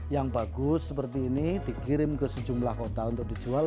yang bagus seperti ini dikirim ke sejumlah kota untuk dijual